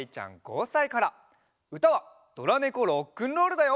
うたは「ドラネコロックンロール」だよ。